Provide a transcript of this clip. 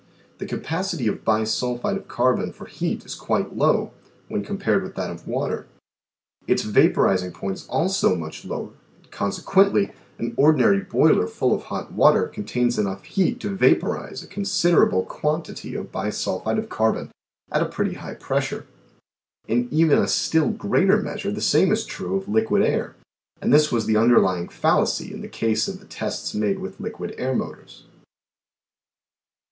The capacity of bisulphide of carbon for heat is quite low, when compared with that of water ; its vaporizing point is also much lower and consequently, an ordinary boiler full of hot water contains enough heat to vaporize a considerable quantity of bisulphide of carbon at a pretty high pressure. In even a still greater measure the same is true of liquid air, and this was the underlying fallacy in the case of the tests made with liquid air motors.